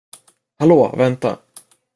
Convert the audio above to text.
Hallå, vänta!